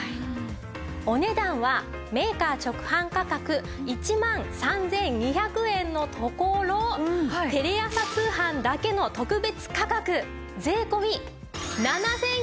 お値段はメーカー直販価格１万３２００円のところテレ朝通販だけの特別価格税込７９８０円です！